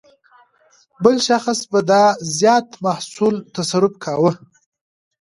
بل شخص به دا زیات محصول تصرف کاوه.